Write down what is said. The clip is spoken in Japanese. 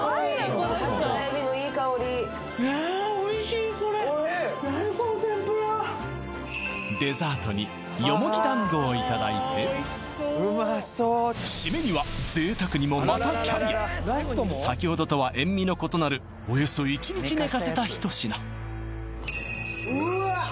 これおいしいデザートによもぎ団子をいただいてシメには贅沢にもまたキャビア先ほどとは塩味の異なるおよそ１日寝かせたひと品うわっ